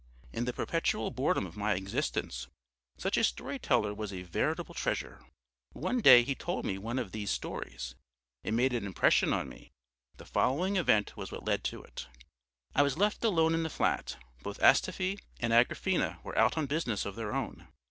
In the perpetual boredom of my existence such a story teller was a veritable treasure. One day he told me one of these stories. It made an impression on me. The following event was what led to it. I was left alone in the flat; both Astafy and Agrafena were out on business of their own.